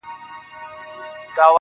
ځوان له ډيري ژړا وروسته څخه ريږدي.